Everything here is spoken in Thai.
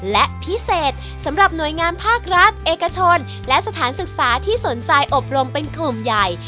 และพิเศษสำหรับหน่วยงานภาครัฐเอกชนและสถานศึกษาที่สนใจอบรมเป็นกลุ่มใหญ่